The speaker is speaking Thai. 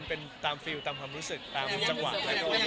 เป็นตามฟิล์มตามความรู้สึกตามจังหวัง